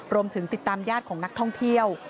รวมถึงติดตามญาติของนักท่องเที่ยว